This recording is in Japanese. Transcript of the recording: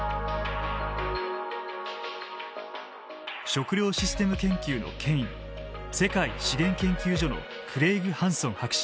食料システム研究の権威世界資源研究所のクレイグ・ハンソン博士。